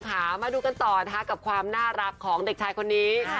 มาดูกันต่อนะคะกับความน่ารักของเด็กชายคนนี้